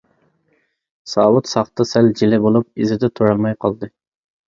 ساۋۇت ساختا سەل جىلە بولۇپ ئىزىدا تۇرالماي قالدى.